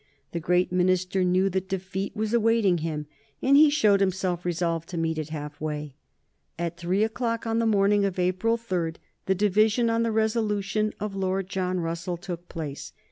The great minister knew that defeat was awaiting him, and he showed himself resolved to meet it half way. At three o'clock on the morning of April 3 the division on the resolution of Lord John Russell took place.